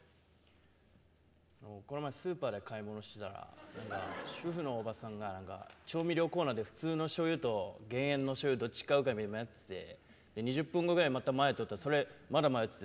この前スーパーで買い物してたら主婦のおばさんが調味料コーナーで普通のしょうゆと減塩のしょうゆどっち買うかで迷ってて２０分後くらいにその前通ったら、まだ迷ってて。